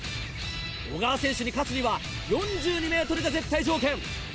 小川選手に勝つには４２ｍが絶対条件。